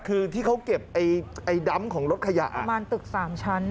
คือที่เขาเก็บไอ้ดำของรถขยะประมาณตึกสามชั้น